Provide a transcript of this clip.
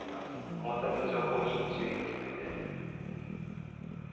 この先の情報に注意が必要です。